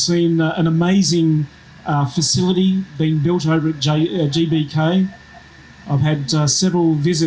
saya telah menghadiri beberapa perjalanan sejak perubahan tanah pertama